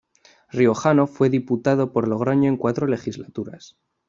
Riojano, fue diputado por Logroño en cuatro legislaturas.